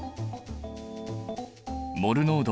モル濃度